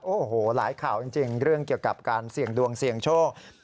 โอ้โหหลายข่าวจริงเรื่องเกี่ยวกับการเสี่ยงดวงเสี่ยงโชค